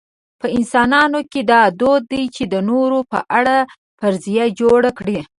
په انسانانو کې دا دود دی چې د نورو په اړه فرضیه جوړه کړي.